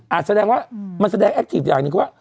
แสดงว่ามันแสดงแอคทีฟอย่างหนึ่งคือว่า